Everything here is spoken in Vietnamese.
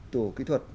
tổ kỹ thuật